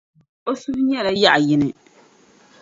O suhu nyɛla yaɣ’ yini.